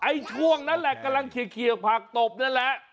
ช่วงนั้นแหละกำลังเขียกผักตบนั่นแหละ